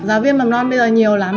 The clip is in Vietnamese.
giáo viên mầm non bây giờ nhiều lắm